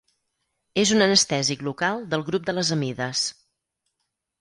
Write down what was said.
És un anestèsic local del grup de les amides.